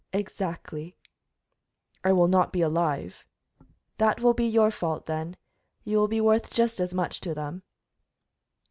"Exactly." "I will not be alive." "That will be your fault, then. You will be worth just as much to them."